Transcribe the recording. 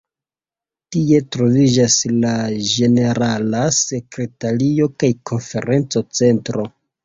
Tie troviĝas la ĝenerala sekretario kaj konferenco-centro.